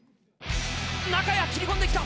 切り込んできた！